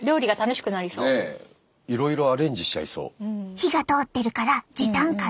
火が通ってるから時短可能！